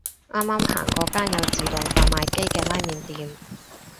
啱啱行過間有自動販賣機嘅拉麵店